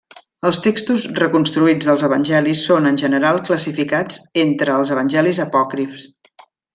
Els textos reconstruïts dels evangelis són en general classificats entre els evangelis apòcrifs.